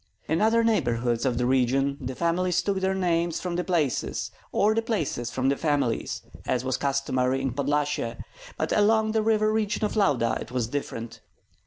In other neighborhoods of the region the families took their names from the places, or the places from the families, as was customary in Podlyasye; but along the river region of Lauda it was different.